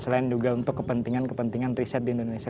selain juga untuk kepentingan kepentingan riset di indonesia